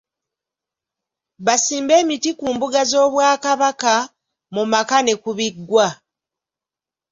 Basimbe emiti ku mbuga z’Obwakabaka, mu maka ne ku biggwa.